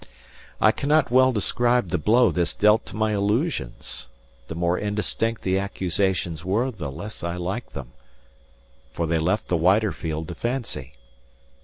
I cannot well describe the blow this dealt to my illusions. The more indistinct the accusations were, the less I liked them, for they left the wider field to fancy.